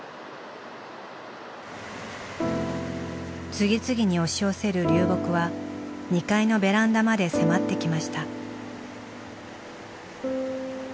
次々に押し寄せる流木は２階のベランダまで迫ってきました。